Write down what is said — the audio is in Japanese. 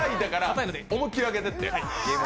思い切り開けてって。